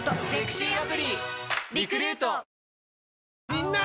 みんな！